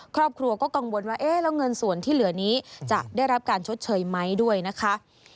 ครอบครัวก็กังวลว่าเอ๊ะแล้วเงินส่วนที่เหลือนี้จะได้รับการชดเชยไหมด้วยนะคะ